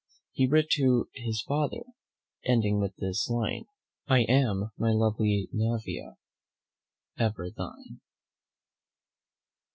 He writ to his father, ending with this line, "I am, my lovely NAEVIA, ever thine."